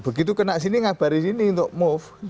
begitu kena sini ngabarin sini untuk move